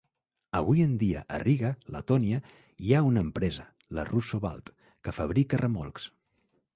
Avui en dia, a Riga, Letònia, hi ha una empresa, la Russo-Balt, que fabrica remolcs.